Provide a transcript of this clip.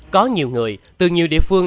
có nhiều người từ nhiều địa phương